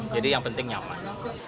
jadi yang penting nyaman